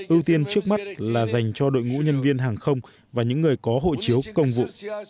ưu tiên trước mắt là dành cho đội ngũ nhân viên hàng không và những người có hộ chiếu công vụ